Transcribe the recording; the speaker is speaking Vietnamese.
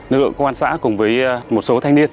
lực lượng công an xã cùng với một số thanh niên